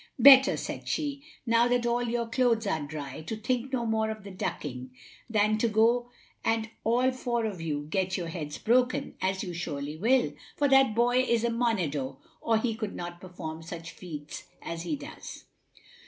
"Better," said she, "now that your clothes are dry, to think no more of the ducking, than to go and all four of you get your heads broken, as you surely will; for that boy is a monedo or he could not perform such feats as he does."